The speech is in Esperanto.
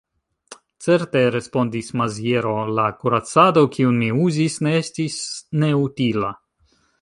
Certe, respondis Maziero, la kuracado, kiun mi uzis, ne estis neutila.